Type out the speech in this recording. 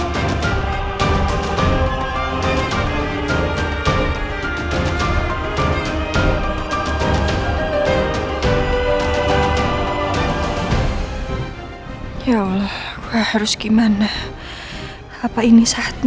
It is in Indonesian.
kamu sudah percaya apa itu